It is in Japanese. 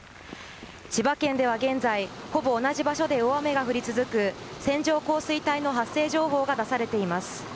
千葉県では現在ほぼ同じ場所で大雨が降り続く線状降水帯の発生情報が出されています。